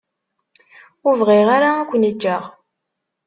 Ur bɣiɣ ara ad ken-ǧǧeɣ.